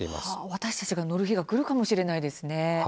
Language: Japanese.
私たちが乗る日がくるかもしれませんね。